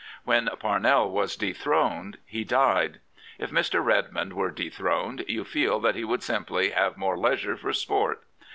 When Parnell was dethroned he died. If Mr. Redmond were dethroned you feel that he would simply have more leisure for sport.